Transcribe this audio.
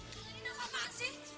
kalian apa apaan sih